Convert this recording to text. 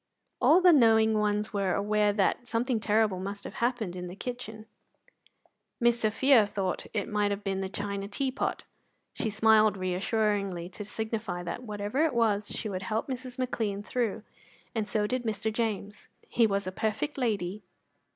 All the knowing ones were aware that something terrible must have happened in the kitchen. Miss Sophia thought it might be the china tea pot. She smiled reassuringly to signify that, whatever it was, she would help Mrs. McLean through, and so did Mr. James. He was a perfect lady.